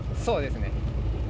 そうですね。